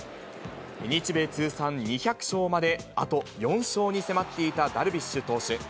日米通算２００勝まで、あと４勝に迫っていたダルビッシュ投手。